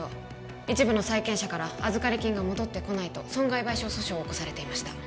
一部の債権者から預かり金が戻ってこないと損害賠償訴訟を起こされていました